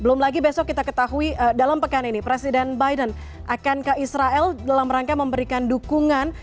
belum lagi besok kita ketahui dalam pekan ini presiden biden akan ke israel dalam rangka memberikan dukungan